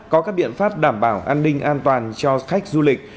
có các biện pháp đảm bảo an ninh an toàn cho khách du lịch